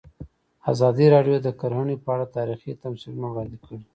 ازادي راډیو د کرهنه په اړه تاریخي تمثیلونه وړاندې کړي.